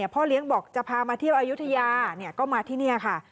พ่อเลี้ยงบอกจะพามาเที่ยวอายุทยาก็มาที่นี่ค่ะ